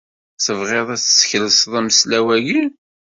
Tebɣiḍ ad teskelseḍ ameslaw-agi?